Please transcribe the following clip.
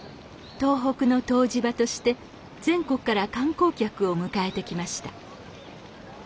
東北の湯治場として全国から観光客を迎えてきました。